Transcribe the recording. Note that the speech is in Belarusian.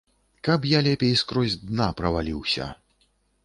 Каб я лепей скрозь дна праваліўся.